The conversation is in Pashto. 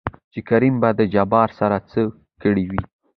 چې کريم به د جبار سره څه کړې وي؟